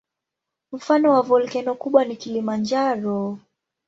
Mfano wa volkeno kubwa ni Kilimanjaro.